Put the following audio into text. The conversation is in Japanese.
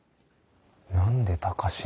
何で高階。